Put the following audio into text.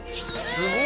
すごい。